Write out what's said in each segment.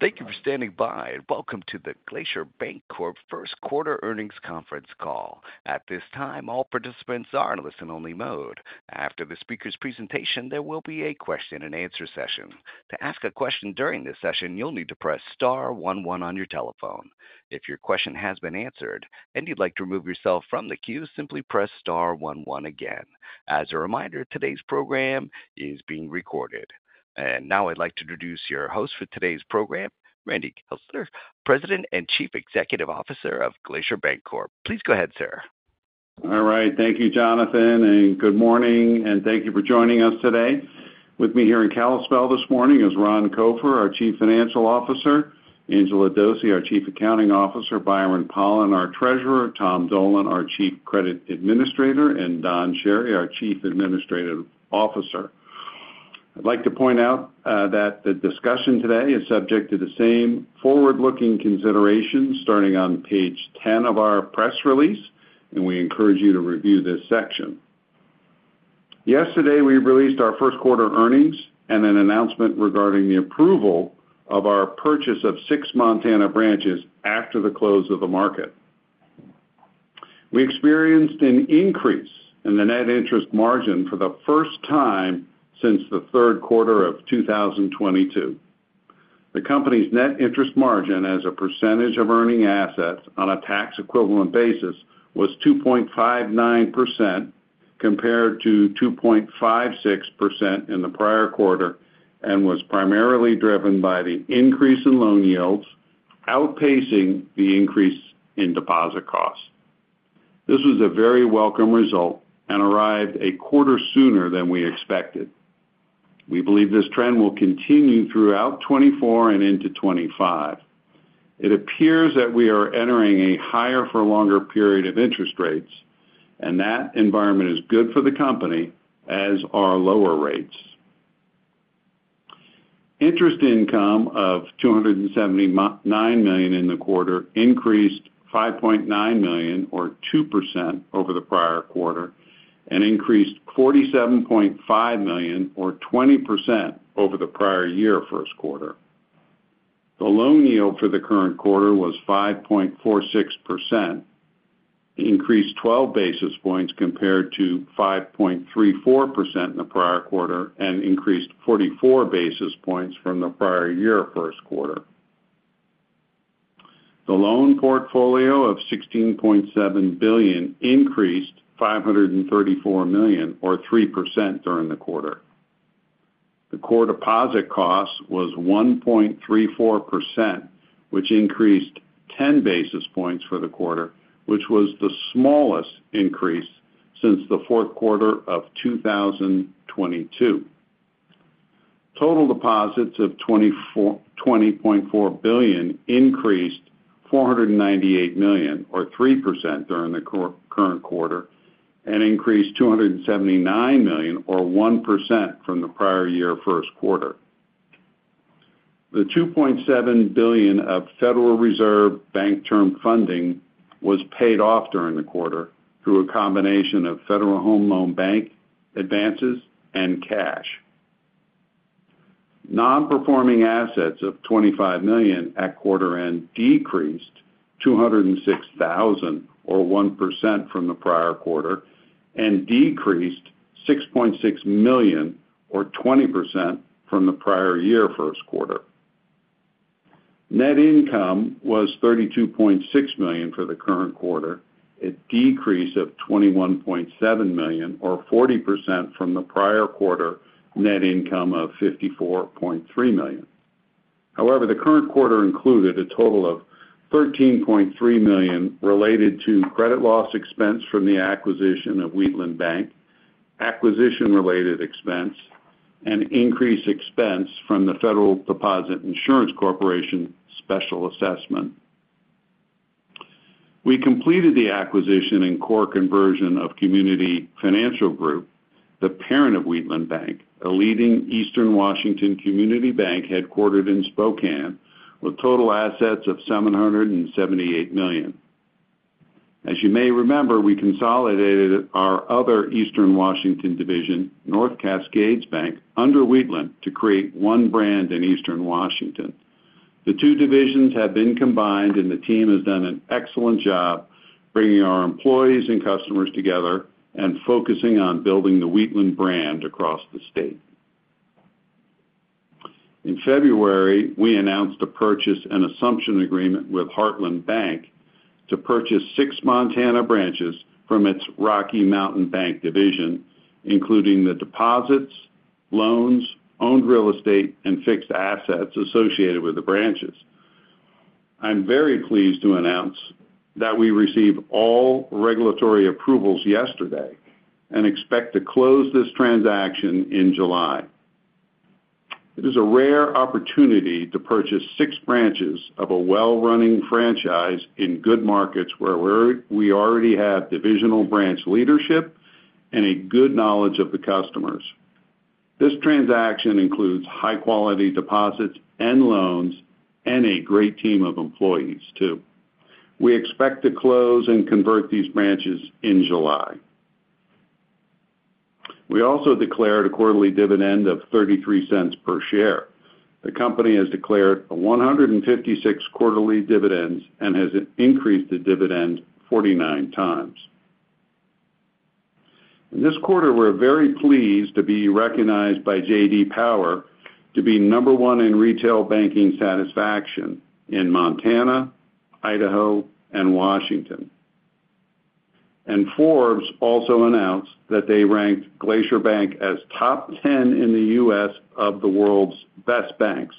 Thank you for standing by and welcome to the Glacier Bancorp First Quarter Earnings Conference call. At this time, all participants are in listen-only mode. After the speaker's presentation, there will be a question-and-answer session. To ask a question during this session, you'll need to press star 11 on your telephone. If your question has been answered and you'd like to remove yourself from the queue, simply press star 11 again. As a reminder, today's program is being recorded. And now I'd like to introduce your host for today's program, Randy Chesler, President and Chief Executive Officer of Glacier Bancorp. Please go ahead, sir. All right. Thank you, Jonathan, and good morning. Thank you for joining us today. With me here in Kalispell this morning is Ron Copher, our Chief Financial Officer, Angela Dose, our Chief Accounting Officer, Byron Pollan, our Treasurer, Tom Dolan, our Chief Credit Administrator, and Don Chery, our Chief Administrative Officer. I'd like to point out that the discussion today is subject to the same forward-looking considerations starting on page 10 of our press release, and we encourage you to review this section. Yesterday, we released our first quarter earnings and an announcement regarding the approval of our purchase of six Montana branches after the close of the market. We experienced an increase in the net interest margin for the first time since the third quarter of 2022. The company's net interest margin as a percentage of earning assets on a tax equivalent basis was 2.59% compared to 2.56% in the prior quarter and was primarily driven by the increase in loan yields outpacing the increase in deposit costs. This was a very welcome result and arrived a quarter sooner than we expected. We believe this trend will continue throughout 2024 and into 2025. It appears that we are entering a higher-for-longer period of interest rates, and that environment is good for the company as are lower rates. Interest income of $279 million in the quarter increased $5.9 million, or 2%, over the prior quarter and increased $47.5 million, or 20%, over the prior year first quarter. The loan yield for the current quarter was 5.46%, increased 12 basis points compared to 5.34% in the prior quarter and increased 44 basis points from the prior year first quarter. The loan portfolio of $16.7 billion increased $534 million, or 3%, during the quarter. The core deposit costs was 1.34%, which increased 10 basis points for the quarter, which was the smallest increase since the fourth quarter of 2022. Total deposits of $20.4 billion increased $498 million, or 3%, during the current quarter and increased $279 million, or 1%, from the prior year first quarter. The $2.7 billion of Federal Reserve Bank Term Funding Program was paid off during the quarter through a combination of Federal Home Loan Bank advances and cash. Non-performing assets of $25 million at quarter end decreased $206,000, or 1%, from the prior quarter and decreased $6.6 million, or 20%, from the prior year first quarter. Net income was $32.6 million for the current quarter, a decrease of $21.7 million, or 40%, from the prior quarter net income of $54.3 million. However, the current quarter included a total of $13.3 million related to credit loss expense from the acquisition of Wheatland Bank, acquisition-related expense, and increased expense from the Federal Deposit Insurance Corporation special assessment. We completed the acquisition and core conversion of Community Financial Group, the parent of Wheatland Bank, a leading Eastern Washington community bank headquartered in Spokane, with total assets of $778 million. As you may remember, we consolidated our other Eastern Washington division, North Cascades Bank, under Wheatland to create one brand in Eastern Washington. The two divisions have been combined, and the team has done an excellent job bringing our employees and customers together and focusing on building the Wheatland brand across the state. In February, we announced a purchase and assumption agreement with Heartland Bank to purchase six Montana branches from its Rocky Mountain Bank division, including the deposits, loans, owned real estate, and fixed assets associated with the branches. I'm very pleased to announce that we received all regulatory approvals yesterday and expect to close this transaction in July. It is a rare opportunity to purchase six branches of a well-running franchise in good markets where we already have divisional branch leadership and a good knowledge of the customers. This transaction includes high-quality deposits and loans and a great team of employees, too. We expect to close and convert these branches in July. We also declared a quarterly dividend of $0.33 per share. The company has declared 156 quarterly dividends and has increased the dividend 49 times. In this quarter, we're very pleased to be recognized by J.D. Power to be number one in retail banking satisfaction in Montana, Idaho, and Washington. Forbes also announced that they ranked Glacier Bank as top 10 in the U.S. of the World's Best Banks,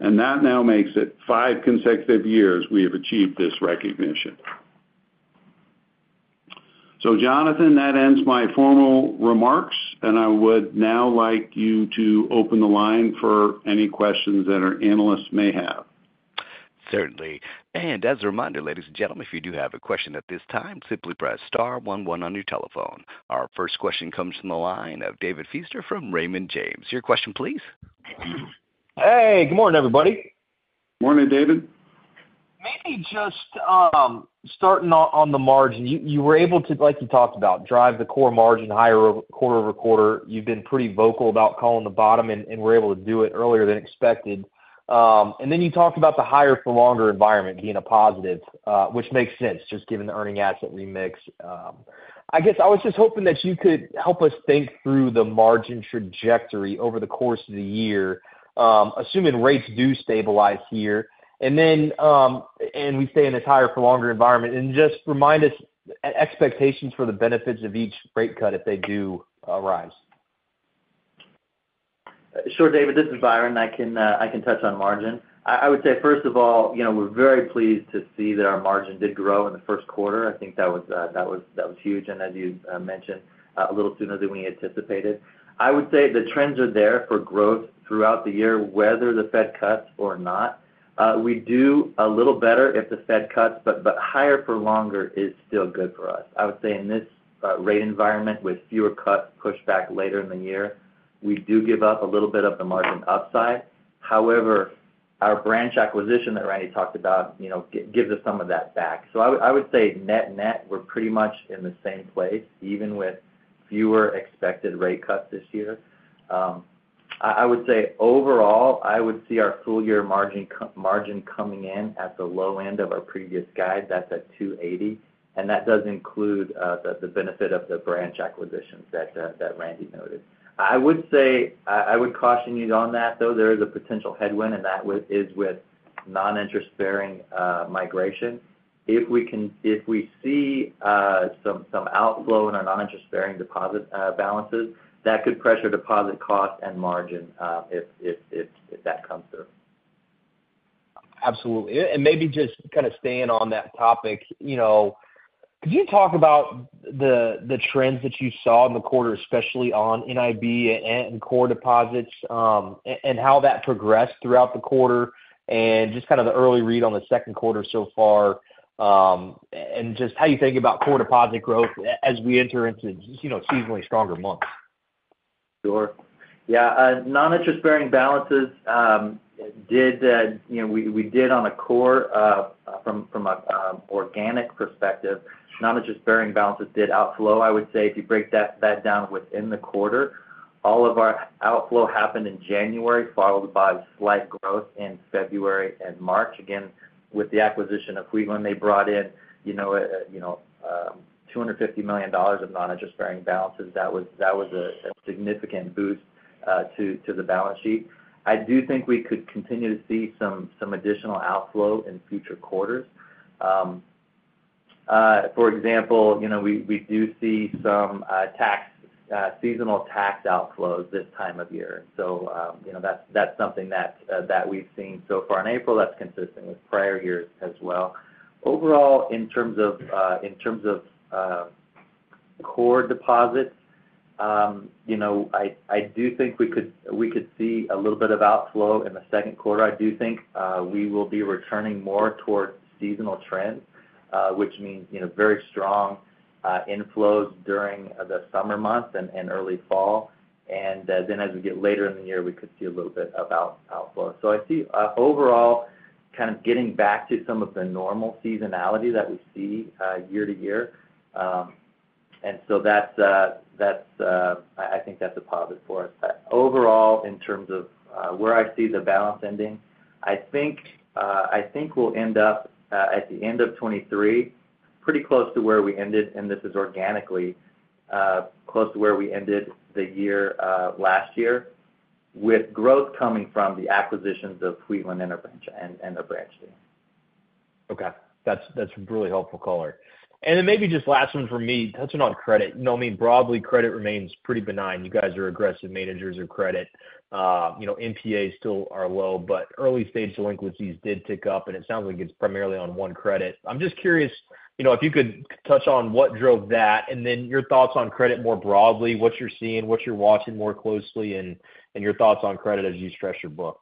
and that now makes it five consecutive years we have achieved this recognition. So, Jonathan, that ends my formal remarks, and I would now like you to open the line for any questions that our analysts may have. Certainly. As a reminder, ladies and gentlemen, if you do have a question at this time, simply press star 11 on your telephone. Our first question comes from the line of David Feaster from Raymond James. Your question, please. Hey. Good morning, everybody. Morning, David. Maybe just starting on the margin, you were able to, like you talked about, drive the core margin higher quarter-over-quarter. You've been pretty vocal about calling the bottom, and we were able to do it earlier than expected. And then you talked about the higher-for-longer environment being a positive, which makes sense just given the earning asset remix. I guess I was just hoping that you could help us think through the margin trajectory over the course of the year, assuming rates do stabilize here and we stay in this higher-for-longer environment, and just remind us expectations for the benefits of each rate cut if they do arise. Sure, David. This is Byron. I can touch on margin. I would say, first of all, we're very pleased to see that our margin did grow in the first quarter. I think that was huge, and as you mentioned, a little sooner than we anticipated. I would say the trends are there for growth throughout the year, whether the Fed cuts or not. We do a little better if the Fed cuts, but higher-for-longer is still good for us. I would say in this rate environment with fewer cuts pushed back later in the year, we do give up a little bit of the margin upside. However, our branch acquisition that Randy talked about gives us some of that back. So I would say net-net, we're pretty much in the same place, even with fewer expected rate cuts this year. I would say overall, I would see our full-year margin coming in at the low end of our previous guide. That's at 2.80%, and that does include the benefit of the branch acquisitions that Randy noted. I would caution you on that, though. There is a potential headwind, and that is with non-interest-bearing migration. If we see some outflow in our non-interest-bearing deposit balances, that could pressure deposit cost and margin if that comes through. Absolutely. And maybe just kind of staying on that topic, could you talk about the trends that you saw in the quarter, especially on NIB and core deposits, and how that progressed throughout the quarter, and just kind of the early read on the second quarter so far, and just how you think about core deposit growth as we enter into seasonally stronger months? Sure. Yeah. Non-interest-bearing balances did outflow on a core from an organic perspective. I would say if you break that down within the quarter, all of our outflow happened in January, followed by slight growth in February and March. Again, with the acquisition of Wheatland, they brought in $250 million of non-interest-bearing balances. That was a significant boost to the balance sheet. I do think we could continue to see some additional outflow in future quarters. For example, we do see some seasonal tax outflows this time of year. So that's something that we've seen so far in April. That's consistent with prior years as well. Overall, in terms of core deposits, I do think we could see a little bit of outflow in the second quarter. I do think we will be returning more toward seasonal trends, which means very strong inflows during the summer months and early fall. And then as we get later in the year, we could see a little bit of outflow. So I see overall kind of getting back to some of the normal seasonality that we see year to year. And so I think that's a positive for us. Overall, in terms of where I see the balance ending, I think we'll end up at the end of 2023 pretty close to where we ended, and this is organically close to where we ended the year last year, with growth coming from the acquisitions of Wheatland and their branch team. Okay. That's a really helpful color. And then maybe just last one from me, touching on credit. I mean, broadly, credit remains pretty benign. You guys are aggressive managers of credit. NPAs still are low, but early-stage delinquencies did tick up, and it sounds like it's primarily on one credit. I'm just curious if you could touch on what drove that, and then your thoughts on credit more broadly, what you're seeing, what you're watching more closely, and your thoughts on credit as you stretch your book.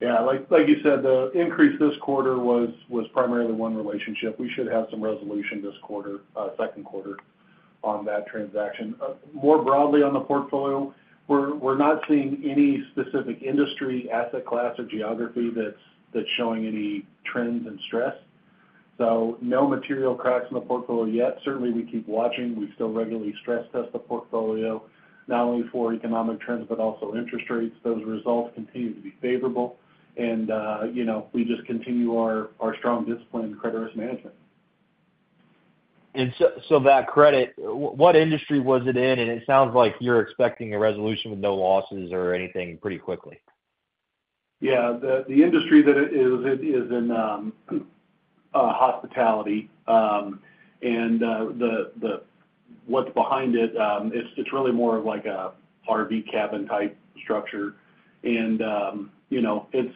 Yeah. Like you said, the increase this quarter was primarily one relationship. We should have some resolution this second quarter on that transaction. More broadly on the portfolio, we're not seeing any specific industry, asset class, or geography that's showing any trends and stress. So no material cracks in the portfolio yet. Certainly, we keep watching. We still regularly stress-test the portfolio, not only for economic trends but also interest rates. Those results continue to be favorable, and we just continue our strong discipline in credit risk management. That credit, what industry was it in? It sounds like you're expecting a resolution with no losses or anything pretty quickly. Yeah. The industry that it is in is hospitality. And what's behind it, it's really more of like an RV cabin-type structure. And it's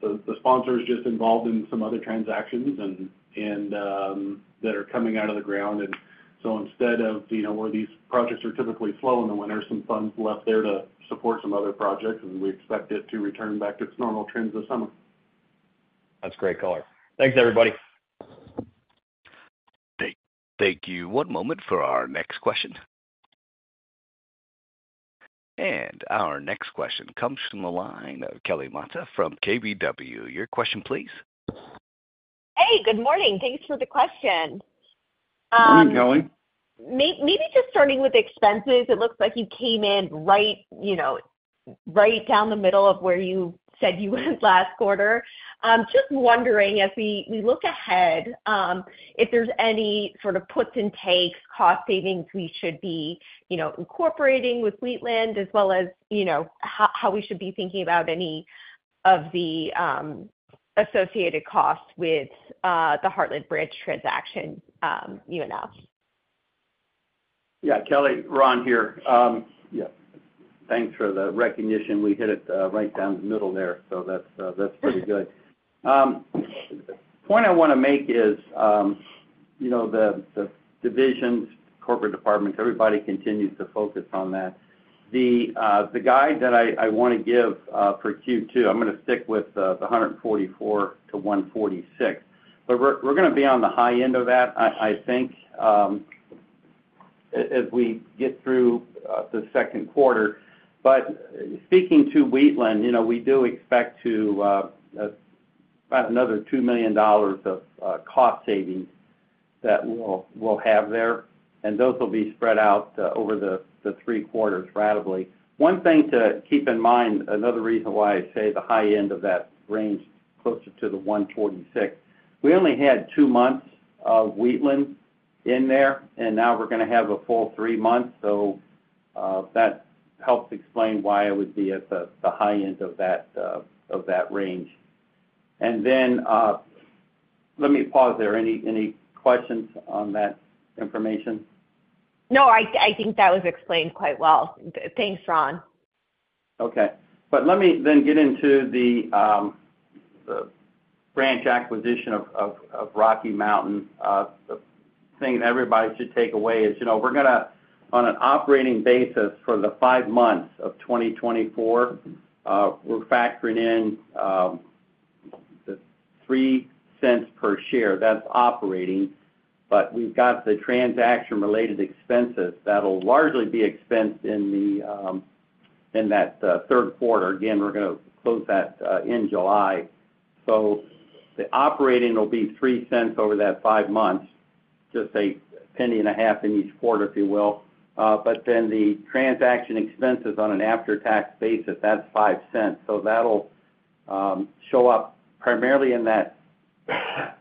the sponsor is just involved in some other transactions that are coming out of the ground. And so instead of where these projects are typically slow in the winter, some funds left there to support some other projects, and we expect it to return back to its normal trends this summer. That's a great color. Thanks, everybody. Thank you. One moment for our next question. Our next question comes from the line of Kelly Motta from KBW. Your question, please. Hey. Good morning. Thanks for the question. Morning, Kelly. Maybe just starting with expenses, it looks like you came in right down the middle of where you said you went last quarter. Just wondering, as we look ahead, if there's any sort of puts and takes, cost savings we should be incorporating with Wheatland, as well as how we should be thinking about any of the associated costs with the Heartland branch transaction you announced. Yeah. Kelly, Ron here. Yeah. Thanks for the recognition. We hit it right down the middle there, so that's pretty good. The point I want to make is the divisions, corporate departments, everybody continues to focus on that. The guide that I want to give for Q2, I'm going to stick with the 144-146. But we're going to be on the high end of that, I think, as we get through the second quarter. But speaking to Wheatland, we do expect about another $2 million of cost savings that we'll have there, and those will be spread out over the 3 quarters ratably. One thing to keep in mind, another reason why I say the high end of that range closer to the 146, we only had 2 months of Wheatland in there, and now we're going to have a full 3 months. That helps explain why it would be at the high end of that range. Let me pause there. Any questions on that information? No. I think that was explained quite well. Thanks, Ron. Okay. But let me then get into the branch acquisition of Rocky Mountain. The thing that everybody should take away is we're going to, on an operating basis for the 5 months of 2024, we're factoring in the $0.03 per share. That's operating. But we've got the transaction-related expenses that'll largely be expensed in that third quarter. Again, we're going to close that in July. So the operating will be $0.03 over that 5 months, just $0.015 in each quarter, if you will. But then the transaction expenses on an after-tax basis, that's $0.05. So that'll show up primarily in that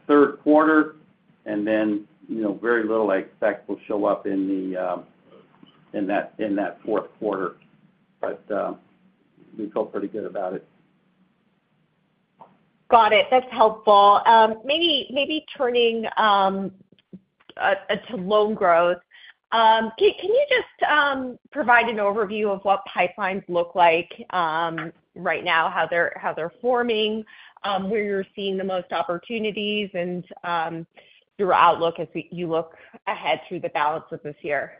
third quarter, and then very little I expect will show up in that fourth quarter. But we feel pretty good about it. Got it. That's helpful. Maybe turning to loan growth, can you just provide an overview of what pipelines look like right now, how they're forming, where you're seeing the most opportunities, and your outlook as you look ahead through the balance of this year?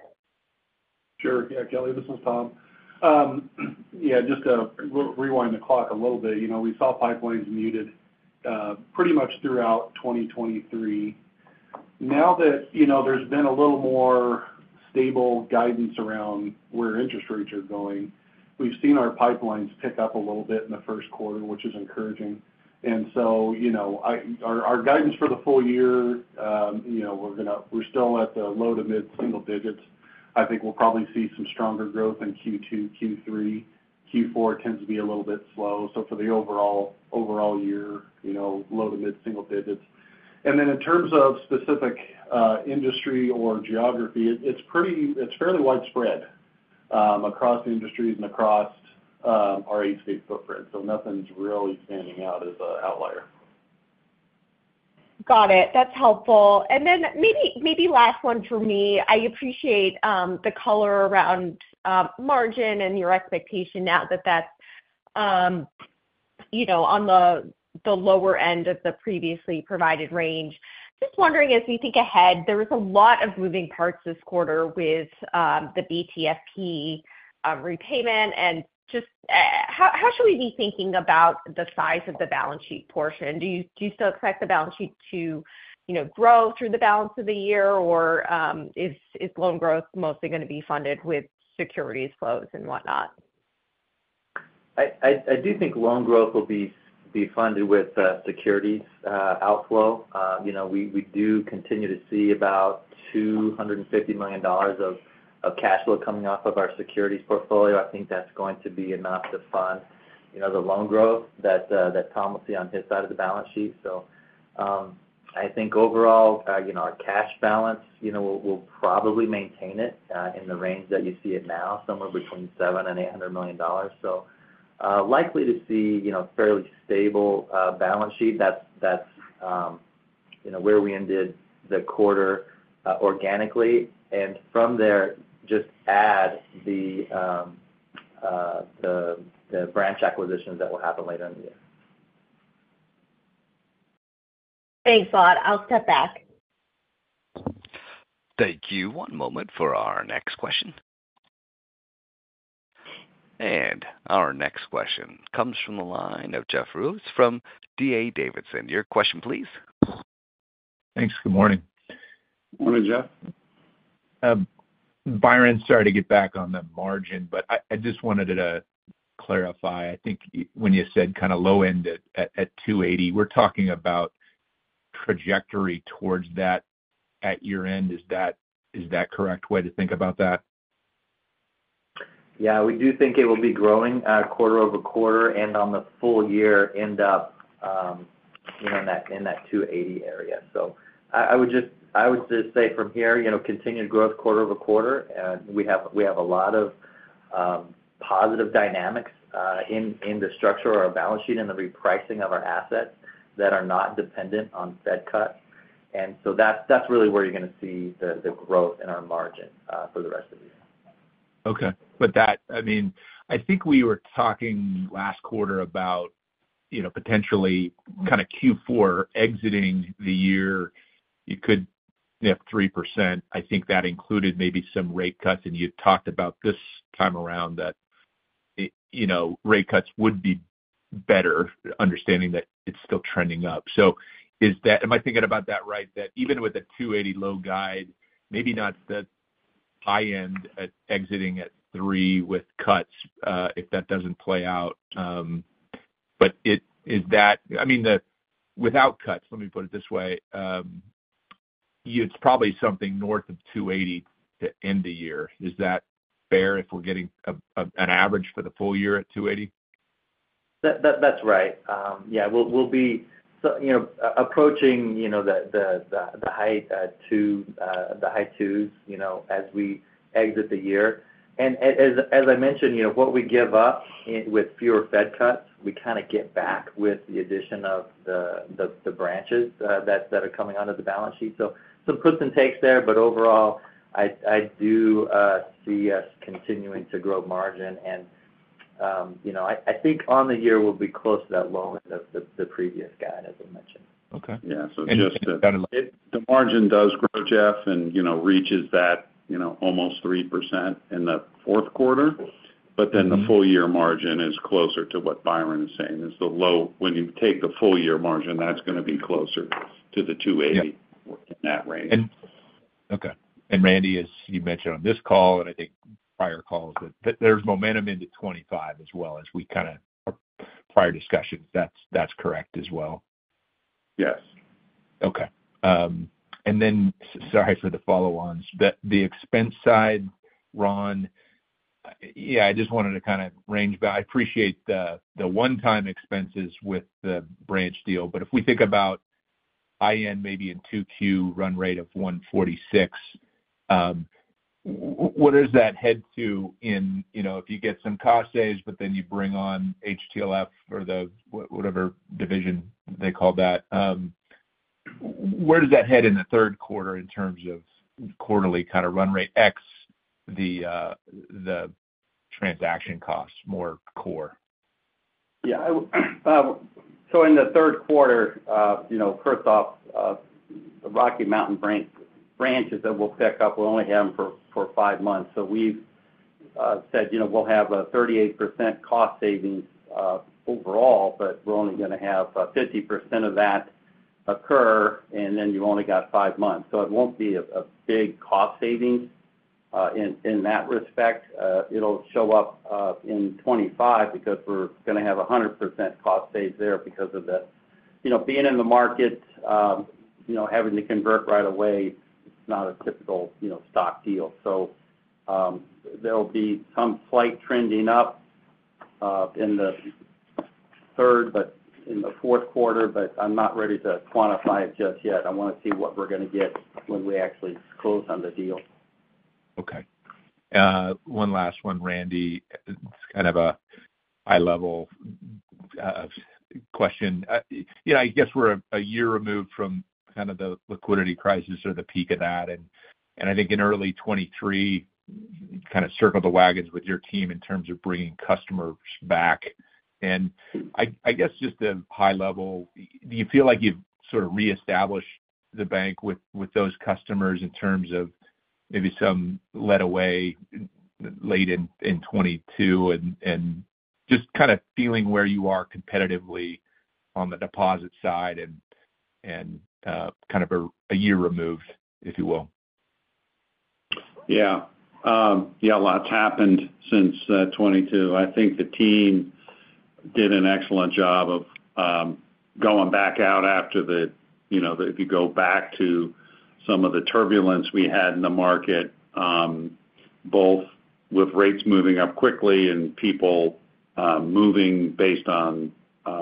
Sure. Yeah, Kelly. This is Tom. Yeah. Just to rewind the clock a little bit, we saw pipelines muted pretty much throughout 2023. Now that there's been a little more stable guidance around where interest rates are going, we've seen our pipelines pick up a little bit in the first quarter, which is encouraging. And so our guidance for the full year, we're still at the low to mid single digits. I think we'll probably see some stronger growth in Q2, Q3. Q4 tends to be a little bit slow. So for the overall year, low to mid single digits. And then in terms of specific industry or geography, it's fairly widespread across industries and across our eight-state footprint. So nothing's really standing out as an outlier. Got it. That's helpful. And then maybe last one for me. I appreciate the color around margin and your expectation now that that's on the lower end of the previously provided range. Just wondering, as we think ahead, there was a lot of moving parts this quarter with the BTFP repayment. And just how should we be thinking about the size of the balance sheet portion? Do you still expect the balance sheet to grow through the balance of the year, or is loan growth mostly going to be funded with securities flows and whatnot? I do think loan growth will be funded with securities outflow. We do continue to see about $250 million of cash flow coming off of our securities portfolio. I think that's going to be enough to fund the loan growth that Tom will see on his side of the balance sheet. So I think overall, our cash balance will probably maintain it in the range that you see it now, somewhere between $700 million and $800 million. So likely to see a fairly stable balance sheet. That's where we ended the quarter organically. From there, just add the branch acquisitions that will happen later in the year. Thanks, Tom. I'll step back. Thank you. One moment for our next question. Our next question comes from the line of Jeff Rulis from D.A. Davidson. Your question, please. Thanks. Good morning. Morning, Jeff. Byron, sorry to get back on the margin, but I just wanted to clarify. I think when you said kind of low end at 2.80%, we're talking about trajectory towards that at your end. Is that correct way to think about that? Yeah. We do think it will be growing quarter-over-quarter and on the full year end up in that 2.80% area. So I would just say from here, continued growth quarter-over-quarter. We have a lot of positive dynamics in the structure of our balance sheet and the repricing of our assets that are not dependent on Fed cuts. And so that's really where you're going to see the growth in our margin for the rest of the year. Okay. But I mean, I think we were talking last quarter about potentially kind of Q4 exiting the year. You could nip 3%. I think that included maybe some rate cuts. And you talked about this time around that rate cuts would be better, understanding that it's still trending up. So am I thinking about that right, that even with a 2.80% low guide, maybe not the high end exiting at 3 with cuts if that doesn't play out? But I mean, without cuts, let me put it this way, it's probably something north of 2.80% to end the year. Is that fair if we're getting an average for the full year at 2.80%? That's right. Yeah. We'll be approaching the high twos as we exit the year. And as I mentioned, what we give up with fewer Fed cuts, we kind of get back with the addition of the branches that are coming onto the balance sheet. So some puts and takes there, but overall, I do see us continuing to grow margin. And I think on the year, we'll be close to that low end of the previous guide, as I mentioned. Okay. Yeah. So just the margin does grow, Jeff, and reaches that almost 3% in the fourth quarter. But then the full-year margin is closer to what Byron is saying. When you take the full-year margin, that's going to be closer to the 2.80 in that range. Okay. And Randy, as you mentioned on this call, and I think prior calls, that there's momentum into 2025 as well as we kind of our prior discussions, that's correct as well? Yes. Okay. And then sorry for the follow-ons. The expense side, Ron, yeah, I just wanted to kind of range back. I appreciate the one-time expenses with the branch deal. But if we think about IN maybe in 2Q run rate of $146, where does that head to in if you get some cost saves, but then you bring on HTLF or whatever division they call that, where does that head in the third quarter in terms of quarterly kind of run rate X the transaction costs, more core? Yeah. So in the third quarter, first off, the Rocky Mountain branches that we'll pick up, we'll only have them for 5 months. So we've said we'll have a 38% cost savings overall, but we're only going to have 50% of that occur, and then you've only got 5 months. So it won't be a big cost savings in that respect. It'll show up in 2025 because we're going to have 100% cost saves there because of the being in the market, having to convert right away, it's not a typical stock deal. So there'll be some slight trending up in the third but in the fourth quarter, but I'm not ready to quantify it just yet. I want to see what we're going to get when we actually close on the deal. Okay. One last one, Randy. It's kind of a high-level question. I guess we're a year removed from kind of the liquidity crisis or the peak of that. And I think in early 2023, you kind of circled the wagons with your team in terms of bringing customers back. And I guess just a high level, do you feel like you've sort of reestablished the bank with those customers in terms of maybe some leeway late in 2022 and just kind of feeling where you are competitively on the deposit side and kind of a year removed, if you will? Yeah. Yeah. A lot's happened since 2022. I think the team did an excellent job of going back out after the if you go back to some of the turbulence we had in the market, both with rates moving up quickly and people moving based on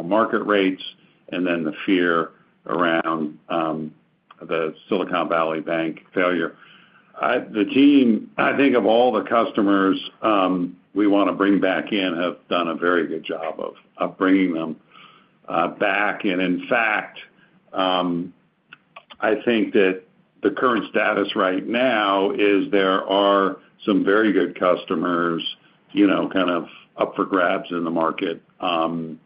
market rates and then the fear around the Silicon Valley Bank failure. The team, I think of all the customers we want to bring back in have done a very good job of bringing them back. And in fact, I think that the current status right now is there are some very good customers kind of up for grabs in the market. And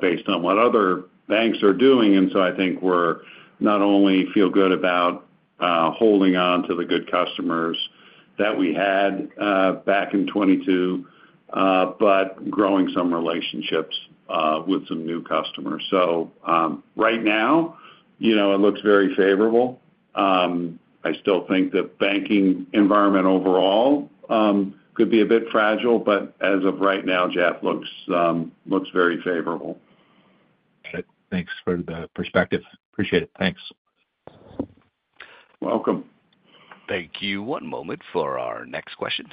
based on what other banks are doing, and so I think we're not only feel good about holding onto the good customers that we had back in 2022, but growing some relationships with some new customers. Right now, it looks very favorable. I still think the banking environment overall could be a bit fragile, but as of right now, Jeff looks very favorable. Got it. Thanks for the perspective. Appreciate it. Thanks. Welcome. Thank you. One moment for our next question.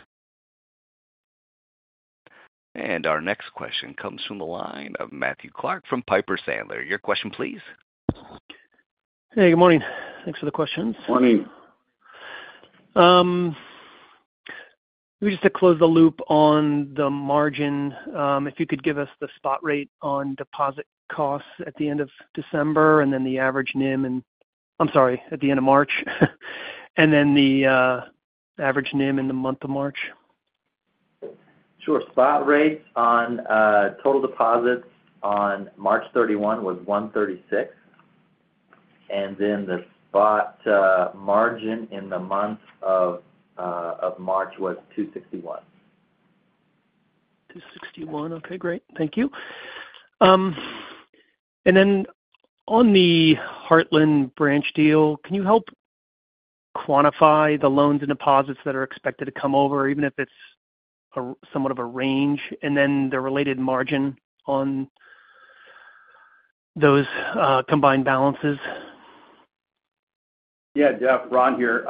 And our next question comes from the line of Matthew Clark from Piper Sandler. Your question, please. Hey. Good morning. Thanks for the questions. Morning. Maybe just to close the loop on the margin, if you could give us the spot rate on deposit costs at the end of December and then the average NIM at the end of March. And then the average NIM in the month of March. Sure. Spot rate on total deposits on March 31 was 1.36%. And then the spot margin in the month of March was 2.61%. Okay. Great. Thank you. On the Heartland branch deal, can you help quantify the loans and deposits that are expected to come over, even if it's somewhat of a range, and then the related margin on those combined balances? Yeah, Jeff. Ron here.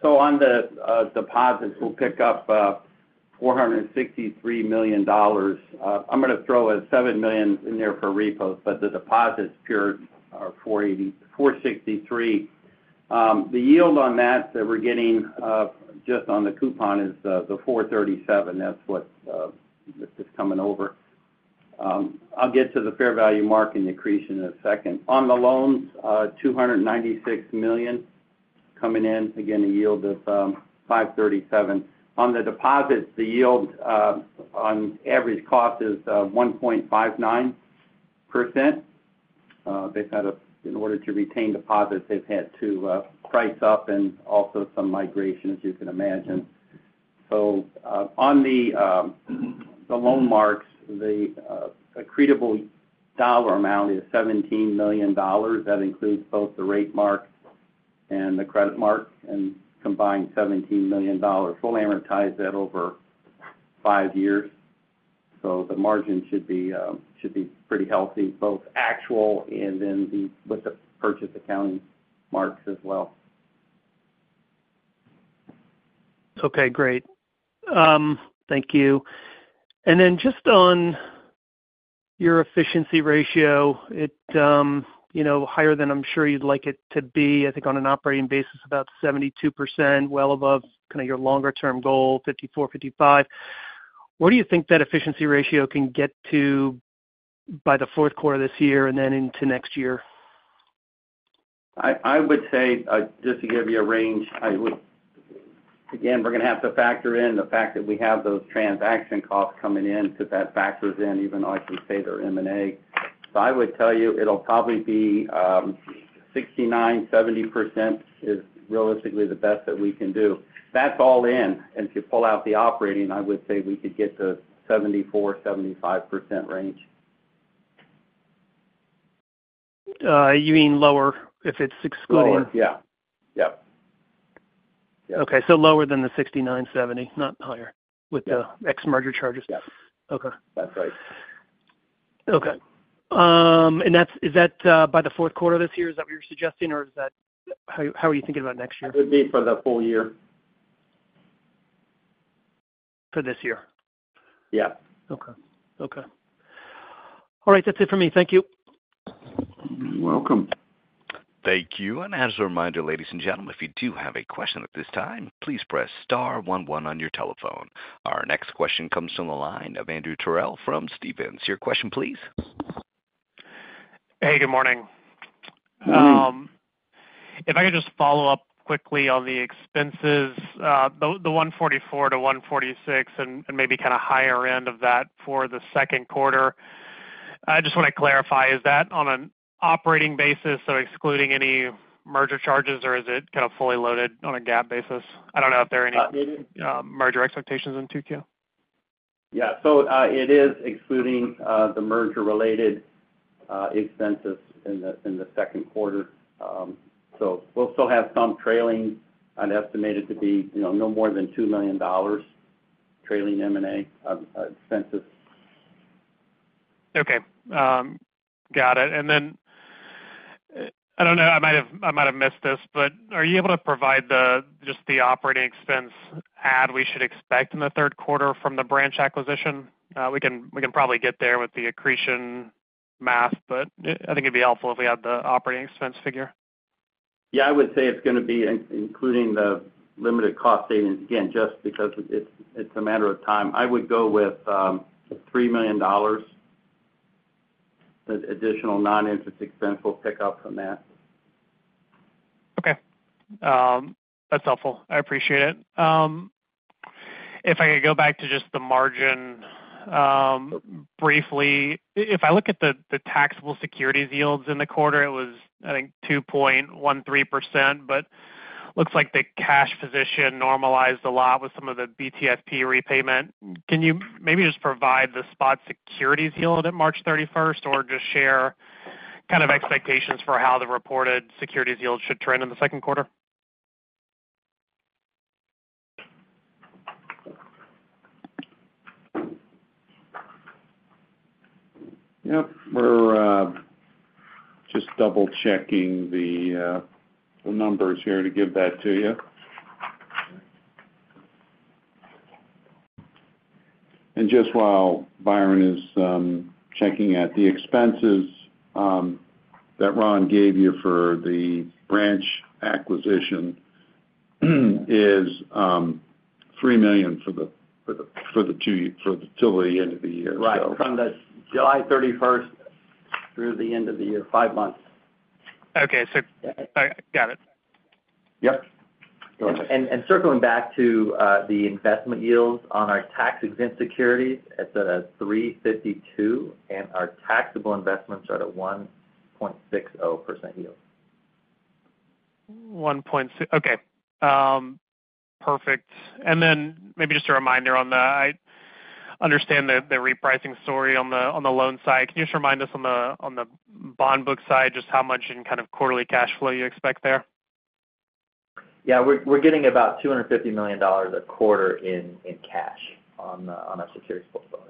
So on the deposits, we'll pick up $463 million. I'm going to throw a $7 million in there for repos, but the deposits pure are $463 million. The yield on that that we're getting just on the coupon is the 4.37%. That's what's coming over. I'll get to the fair value mark and the accretion in a second. On the loans, $296 million coming in, again, a yield of 5.37%. On the deposits, the yield on average cost is 1.59%. In order to retain deposits, they've had to price up and also some migration, as you can imagine. So on the loan marks, the accretable dollar amount is $17 million. That includes both the rate mark and the credit mark and combined $17 million. Fully amortize that over five years. The margin should be pretty healthy, both actual and then with the purchase accounting marks as well. Okay. Great. Thank you. And then just on your efficiency ratio, higher than I'm sure you'd like it to be, I think on an operating basis, about 72%, well above kind of your longer-term goal, 54%-55%. Where do you think that efficiency ratio can get to by the fourth quarter this year and then into next year? I would say, just to give you a range, again, we're going to have to factor in the fact that we have those transaction costs coming in because that factors in, even though I can say they're M&A. So I would tell you it'll probably be 69%-70% is realistically the best that we can do. That's all in. And if you pull out the operating, I would say we could get the 74%-75% range. You mean lower if it's excluding? Lower. Yeah. Yep. Yep. Okay. So lower than the 69, 70, not higher with the X merger charges? Yep. That's right. Okay. Is that by the fourth quarter this year? Is that what you're suggesting, or how are you thinking about next year? It would be for the full year. For this year? Yep. Okay. Okay. All right. That's it for me. Thank you. You're welcome. Thank you. And as a reminder, ladies and gentlemen, if you do have a question at this time, please press star 11 on your telephone. Our next question comes from the line of Andrew Terrell from Stephens. Your question, please. Hey. Good morning. If I could just follow up quickly on the expenses, the 144-146 and maybe kind of higher end of that for the second quarter, I just want to clarify, is that on an operating basis, so excluding any merger charges, or is it kind of fully loaded on a GAAP basis? I don't know if there are any merger expectations in 2Q. Yeah. So it is excluding the merger-related expenses in the second quarter. So we'll still have some trailing and estimated to be no more than $2 million trailing M&A expenses. Okay. Got it. And then I don't know. I might have missed this, but are you able to provide just the operating expense add we should expect in the third quarter from the branch acquisition? We can probably get there with the accretion math, but I think it'd be helpful if we had the operating expense figure. Yeah. I would say it's going to be including the limited cost savings, again, just because it's a matter of time. I would go with $3 million additional non-interest expense we'll pick up from that. Okay. That's helpful. I appreciate it. If I could go back to just the margin briefly, if I look at the taxable securities yields in the quarter, it was, I think, 2.13%, but looks like the cash position normalized a lot with some of the BTFP repayment. Can you maybe just provide the spot securities yield at March 31st or just share kind of expectations for how the reported securities yield should trend in the second quarter? Yep. We're just double-checking the numbers here to give that to you. And just while Byron is checking, the expenses that Ron gave you for the branch acquisition is $3 million for the till the end of the year, so. Right. From the July 31st through the end of the year, five months. Okay. Got it. Yep. Go ahead. Circling back to the investment yields on our tax-exempt securities, it's at a 3.52%, and our taxable investments are at a 1.60% yield. Okay. Perfect. And then maybe just a reminder on the, I understand the repricing story on the loan side. Can you just remind us on the bond book side just how much in kind of quarterly cash flow you expect there? Yeah. We're getting about $250 million a quarter in cash on our securities portfolio.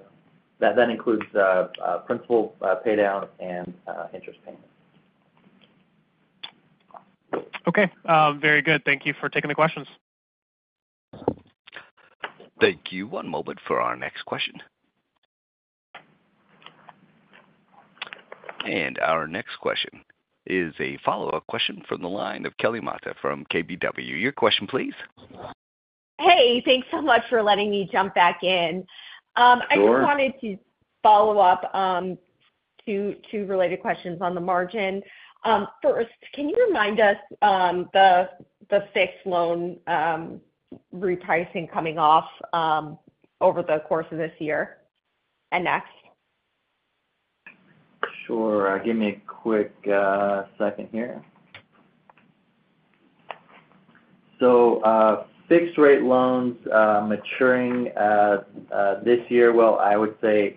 That includes principal paydown and interest payments. Okay. Very good. Thank you for taking the questions. Thank you. One moment for our next question. Our next question is a follow-up question from the line of Kelly Motta from KBW. Your question, please. Hey. Thanks so much for letting me jump back in. I just wanted to follow up two related questions on the margin. First, can you remind us the fixed loan repricing coming off over the course of this year and next? Sure. Give me a quick second here. So fixed-rate loans maturing this year, well, I would say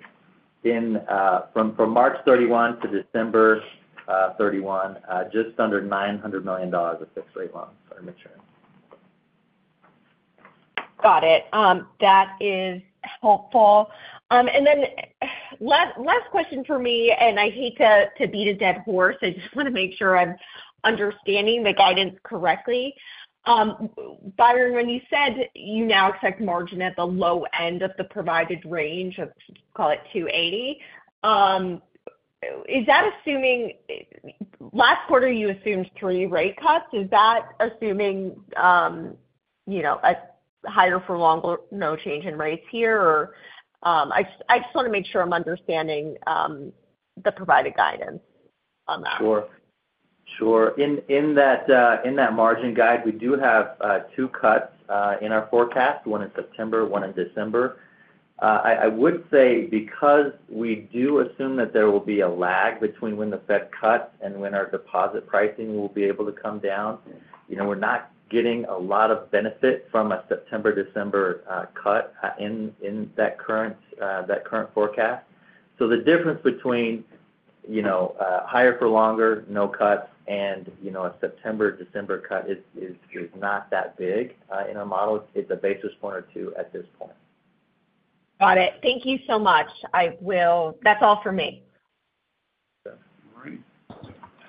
from March 31 to December 31, just under $900 million of fixed-rate loans are maturing. Got it. That is helpful. And then last question for me, and I hate to beat a dead horse. I just want to make sure I'm understanding the guidance correctly. Byron, when you said you now expect margin at the low end of the provided range, call it 280, is that assuming last quarter, you assumed three rate cuts? Is that assuming a higher-for-longer no change in rates here, or? I just want to make sure I'm understanding the provided guidance on that. Sure. Sure. In that margin guide, we do have two cuts in our forecast, one in September, one in December. I would say because we do assume that there will be a lag between when the Fed cuts and when our deposit pricing will be able to come down, we're not getting a lot of benefit from a September, December cut in that current forecast. So the difference between higher-for-longer, no cuts, and a September, December cut is not that big in our model. It's a basis point or two at this point. Got it. Thank you so much. That's all for me. All right.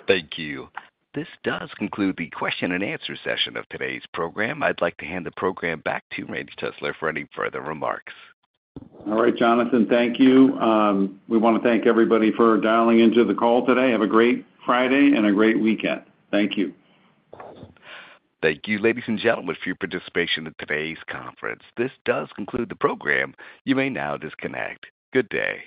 Thank you. This does conclude the question-and-answer session of today's program. I'd like to hand the program back to Randy Chesler for any further remarks. All right, Jonathan. Thank you. We want to thank everybody for dialing into the call today. Have a great Friday and a great weekend. Thank you. Thank you, ladies and gentlemen, for your participation in today's conference. This does conclude the program. You may now disconnect. Good day.